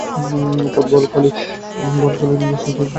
পরে বোয়ালখালী থানায় দুদিন আটকে রেখে আমাদের পাশবিক নির্যাতন চালানো হয়।